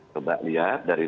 coba lihat dari